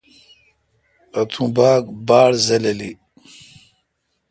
اتو باگ باڑزللی۔